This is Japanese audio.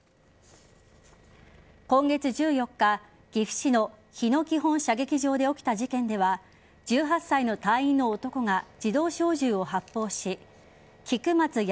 今月１４日、岐阜市の日野基本射撃場で起きた事件では１８歳の隊員の男は自動小銃を発砲し菊松安